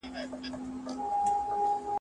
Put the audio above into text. پر دېوان مي یم پښېمانه خپل شعرونه ښخومه.